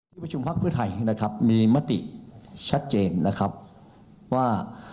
ที่ประชุมพักเพื่อไทยนะครับมีมติชัดเจนนะครับว่า